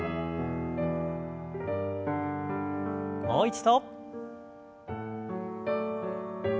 もう一度。